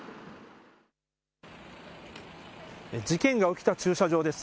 事件が起きた駐車場です。